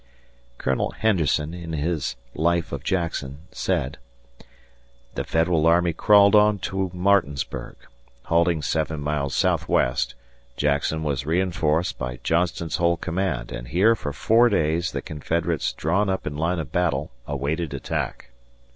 Colonel Henderson, in his "Life of Jackson", said: The Federal army crawled on to Martinsburg Halting seven miles southwest, Jackson was reinforced by Johnston's whole command and here for four days the Confederates drawn up in line of battle awaited attack.